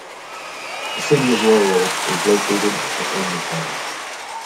The City of Loyal is located within the town.